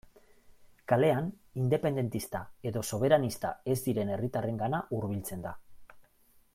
Kalean independentista edo soberanista ez diren herritarrengana hurbiltzen da.